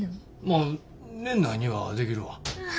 まあ年内にはできるわ。